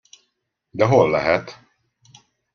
De hol lehet?